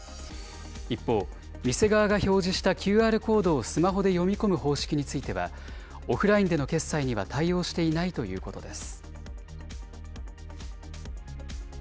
一方、店側が表示したＱＲコードをスマホで読み込む方式については、オフラインでの決済には対応していないということです。